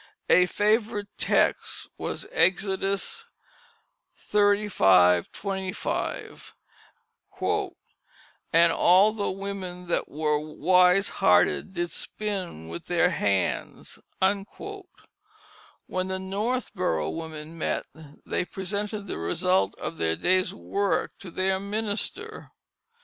A favorite text was Exodus xxxv. 25: "And all the women that were wise hearted did spin with their hands." When the Northboro women met, they presented the results of their day's work to their minister.